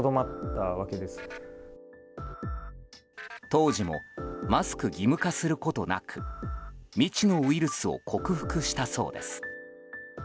当時もマスク義務化することなく未知のウイルスを克服したそうです。